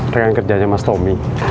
rekan kerjanya mas tommy